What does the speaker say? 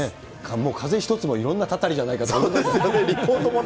もう風１つもいろんなたたりそうですよね、リポートもね。